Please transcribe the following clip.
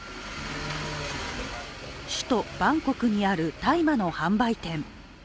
首都バンコクにある大麻の販売店。